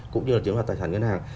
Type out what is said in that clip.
cũng như là chiếm đoạt tài sản ngân hàng